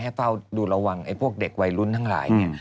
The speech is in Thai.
เฝ้าดูระวังไอ้พวกเด็กวัยรุ่นทั้งหลายเนี่ย